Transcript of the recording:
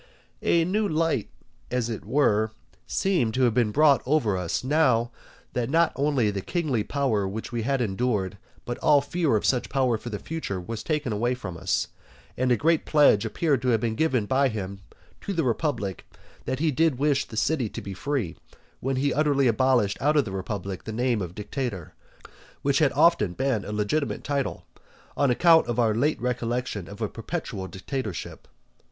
II. A new light, as it were, seemed to be brought over us, now that not only the kingly power which we had endured, but all fear of such power for the future, was taken away from us; and a great pledge appeared to have been given by him to the republic that he did wish the city to be free, when he utterly abolished out of the republic the name of dictator, which had often been a legitimate title, on account of our late recollection of a perpetual dictatorship.